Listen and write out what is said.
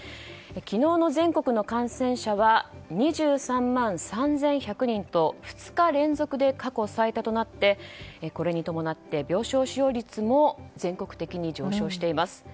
昨日の全国の感染者は２３万３１００人と２日連続で過去最多となってこれに伴って、病床使用率も全国的に上昇しています。